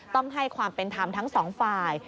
ต้องให้ความเป็นธรรมทั้งสองฝ่าย